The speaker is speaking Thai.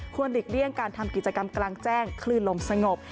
หลีกเลี่ยงการทำกิจกรรมกลางแจ้งคลื่นลมสงบ